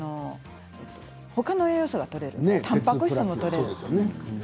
ほかの栄養素がとれるしたんぱく質もとれるし。